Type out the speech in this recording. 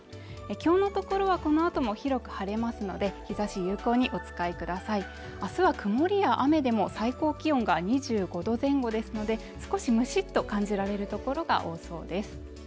今日のところはこのあとも広く晴れますので日差し有効にお使いください明日は曇りや雨でも最高気温が２５度前後ですので少しムシッと感じられる所が多そうです